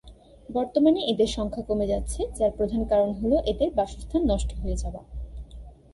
বর্তমানে এদের সংখ্যা কমে যাচ্ছে, যার প্রধান কারণ হল এদের বাসস্থান নষ্ট হয়ে যাওয়া।